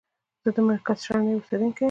زه د مرکز شرنی اوسیدونکی یم.